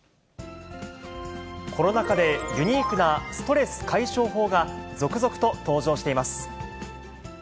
コロナ禍でユニークなストレス解消法が、続々と登場しています。